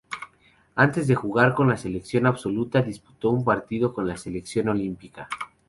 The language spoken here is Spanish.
Antes de jugar con la selección absoluta disputó un partido con la selección olímpica.